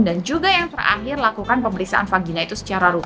juga yang terakhir lakukan pemeriksaan vagina itu secara rutin